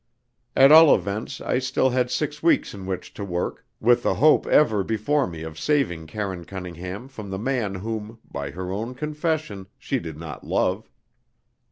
At all events, I still had six weeks in which to work, with the hope ever before me of saving Karine Cunningham from the man whom, by her own confession, she did not love.